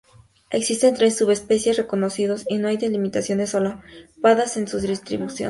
Existen tres subespecies reconocidas y no hay delimitaciones solapadas en sus distribuciones.